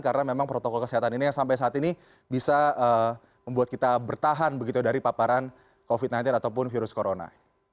karena memang protokol kesehatan ini yang sampai saat ini bisa membuat kita bertahan begitu dari paparan covid sembilan belas ataupun virus corona